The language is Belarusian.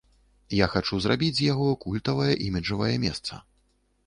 Я хачу зрабіць з яго культавае, іміджавае месца.